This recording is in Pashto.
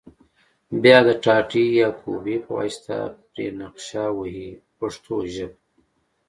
بیا د ټاټې یا کوبې په واسطه پرې نقش وهي په پښتو ژبه.